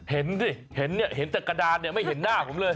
เห็นสิเห็นเนี่ยเห็นแต่กระดานเนี่ยไม่เห็นหน้าผมเลย